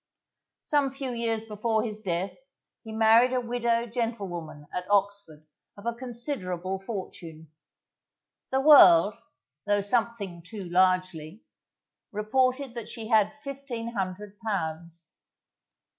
Some few years before his death, he married a widow gentlewoman at Oxford, of a considerable fortune. The world (though something too largely) reported that she had fifteen hundred pounds.